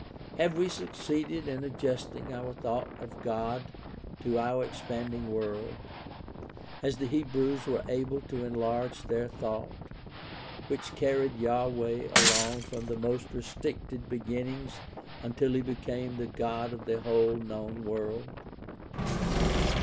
Have we succeeded in adjusting our thought of God to our expanding world, as the Hebrews were able to enlarge their thought, which carried Yahweh along from the most restricted begin nings until he became the God of the whole known world